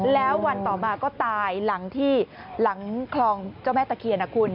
แล้ววันต่อมาก็ตายหลังที่หลังคลองเจ้าแม่ตะเคียนนะคุณ